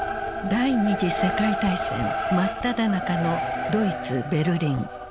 第２次世界大戦真っただ中のドイツベルリン。